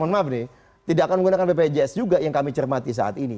mohon maaf nih tidak akan menggunakan bpjs juga yang kami cermati saat ini